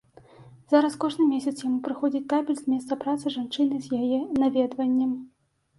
Зараз кожны месяц яму прыходзіць табель з месца працы жанчыны з яе наведваннем.